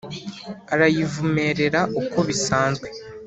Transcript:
Arayivumerera ukwo bisanzwe